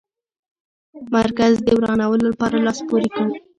مرکز د ورانولو لپاره لاس پوري کړ.